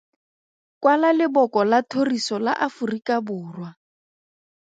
Kwala leboko la thoriso la Aforikaborwa.